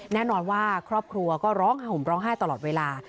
แน่นอนว่าครอบครัวก็ร้องห่มร้องไห้ตลอดเวลา